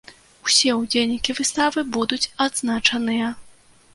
Усе ўдзельнікі выставы будуць адзначаныя.